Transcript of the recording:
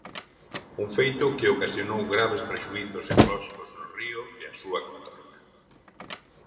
Un feito que ocasionou graves prexuízos ecolóxicos no río e a súa contorna.